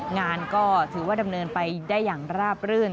งานก็ถือว่าดำเนินไปได้อย่างราบรื่น